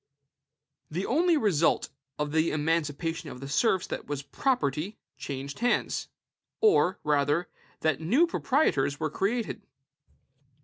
The only result of the emancipation of the serfs was that property changed hands; or, rather, that new proprietors were created.